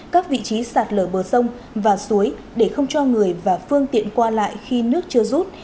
các vị trí sạt lở bờ sông và suối để không cho người và phương tiện qua lại khi nước chưa rút